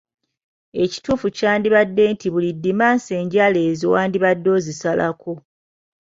Ekituufu kyandibadde nti buli Ddimansi enjala zo wandibadde ozisalako.